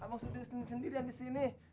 abang sendiri sendirian disini